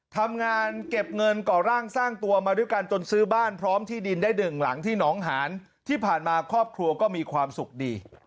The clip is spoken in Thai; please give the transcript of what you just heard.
ทำงานเก็บเงินก่อร่างสร้างตัวมาด้วยกันจนซื้อบ้านพร้อมที่ดินได้หนึ่งหลังที่หนองหานที่ผ่านมาครอบครัวก็มีความสุขดี